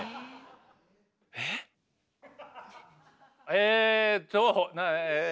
えっとえ